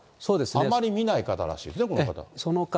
あんまり見ない方らしいですね、この方。